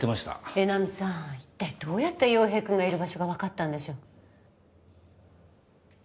江波さんいったいどうやって陽平くんがいる場所がわかったんでしょう。